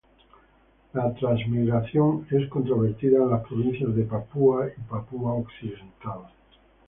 La transmigración es controvertida en las provincias de Papúa y Papúa Occidental.